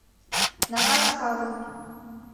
Накас Павыл.